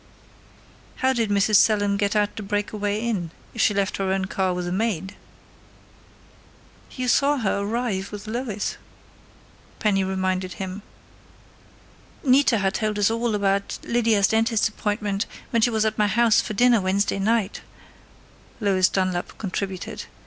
"How did Mrs. Selim get out to Breakaway Inn, if she left her own car with the maid?" "You saw her arrive with Lois," Penny reminded him. "Nita had told us all about Lydia's dentist's appointment when she was at my house for dinner Wednesday night," Lois Dunlap contributed.